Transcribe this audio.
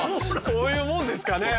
そういうもんですかね。